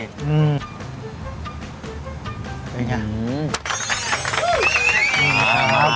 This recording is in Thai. เป็นไง